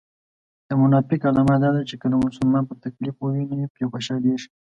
د منافق علامه دا ده چې کله مسلمان په تکليف و ويني پرې خوشحاليږي